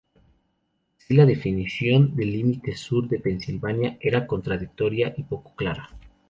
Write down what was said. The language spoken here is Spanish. Así la definición del límite sur de Pensilvania era contradictoria y poco clara.